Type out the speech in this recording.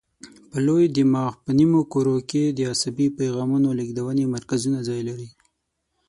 په لوی دماغ په نیمو کرو کې د عصبي پیغامونو لېږدونې مرکزونه ځای لري.